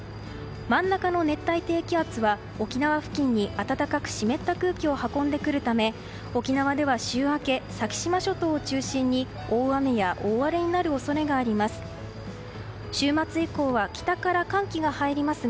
真ん中の熱帯低気圧は沖縄付近に暖かく湿った空気を運んでくるため沖縄では週明け先島諸島を中心に大雨や大荒れになる恐れがあります。